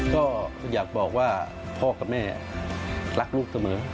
ก็อยากบอกว่าพ่อกับแม่รักลูกเสมอ